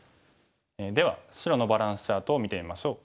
では白のバランスチャートを見てみましょう。